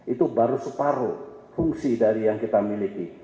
itu baru separuh fungsi dari yang kita miliki